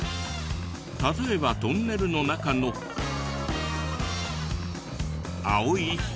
例えばトンネルの中の青い光。